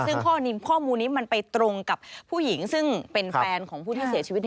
ซึ่งข้อมูลนี้มันไปตรงกับผู้หญิงซึ่งเป็นแฟนของผู้ที่เสียชีวิต